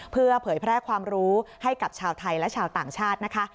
เพื่อเผยแพร่ความรู้ให้กับชาวไทยและชาวต่างชาตินะคะ